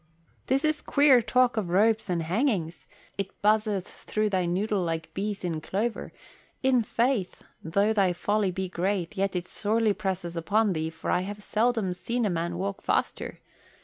"This is queer talk of ropes and hangings. It buzzeth through thy noddle like bees in clover. In faith, though thy folly be great, yet it sorely presses upon thee, for I have seldom seen a man walk faster.